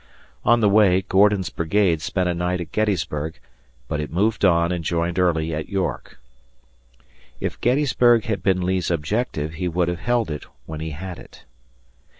On the way Gordon's brigade spent a night at Gettysburg, but it moved on and joined Early at York. If Gettysburg had been Lee's objective, he would have held it when he had it.